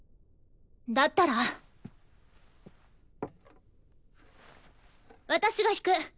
だったら私が弾く。